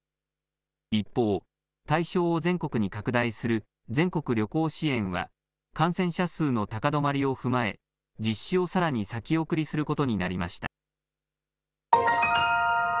一方、対象を全国に拡大する全国旅行支援は、感染者数の高止まりを踏まえ、実施をさらに先送りすることになりました。